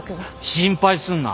心配すんな。